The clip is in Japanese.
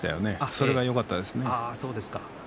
それが、よかったですね。